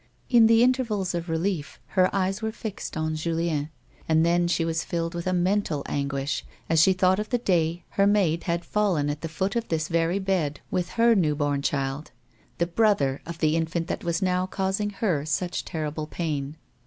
In the intervals of relief her eyes were fixed on Julien, and then she was filled with a mental anguish as she thought of the day her maid had fallen at the foot of this very bed with her new born child — the brother of the infant that was now causing her such terrible pain.